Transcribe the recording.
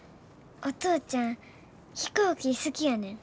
お父ちゃん飛行機好きやねん。